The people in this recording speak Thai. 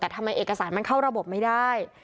แต่ทำไมเอกสารมันเข้าระบบไม่ได้